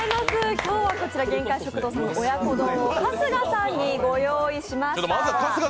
今日はこちらげんかい食堂さんの親子丼を春日さんにご用意しました。